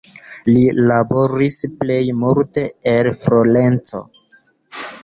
Li laboris plej multe en Florenco.